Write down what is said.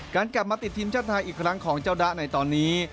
กลับมาติดทีมชาติไทยอีกครั้งของเจ้าดะในตอนนี้